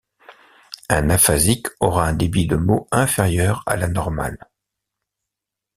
Un aphasique aura un débit de mots inférieur à la normale.